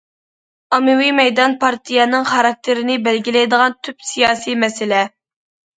ئاممىۋى مەيدان پارتىيەنىڭ خاراكتېرىنى بەلگىلەيدىغان تۈپ سىياسىي مەسىلە.